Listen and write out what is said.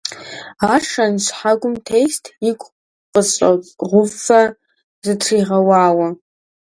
Ар шэнт щхьэгуэм тест, игу къысщӀэгъуфэ зытригъэуауэ.